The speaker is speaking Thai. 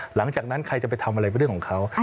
หลังจากนั้นใครจะไปทำอะไรเป็นเรื่องของเขา